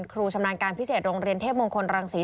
ชำนาญการพิเศษโรงเรียนเทพมงคลรังศรี